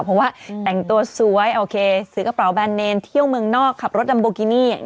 เพราะว่าแต่งตัวสวยโอเคซื้อกระเป๋าแบนเนรเที่ยวเมืองนอกขับรถดัมโบกินี่